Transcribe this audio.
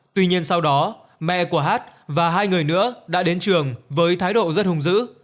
tuy nhiên sau đó mẹ của hát và hai người nữa đã đến trường với thái độ rất hung dữ